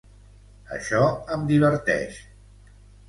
Això em diverteix.